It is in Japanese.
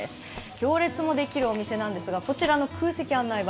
行列もできるお店なんですが、こちらの空席案内板。